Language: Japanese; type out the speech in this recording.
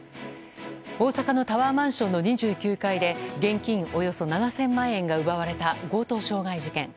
大阪のタワーマンションの２９階で現金およそ７０００万円が奪われた強盗傷害事件。